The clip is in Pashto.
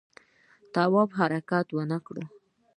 تواب حرکت ونه کړ.